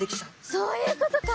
そういうことか！